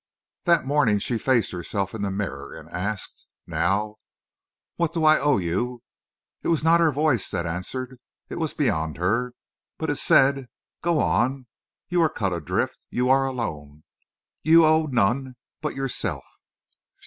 That morning she faced herself in the mirror and asked, "Now—what do I owe you?" It was not her voice that answered. It was beyond her. But it said: "Go on! You are cut adrift. You are alone. You owe none but yourself!...